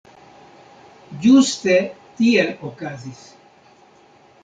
Ĝuste tiel okazis.